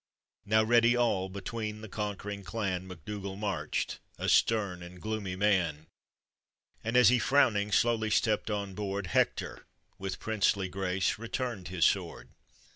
Now ready all, between the conquering clan Mac. Dougall marched, a stern and gloomy man, And as he, frowning, slowly stepped on board, Hector, with princely grace, returned his sword.